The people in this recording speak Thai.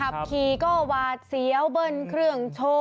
ทับทีก็บาดเสี้ยวเบิร์นเครื่องโฉม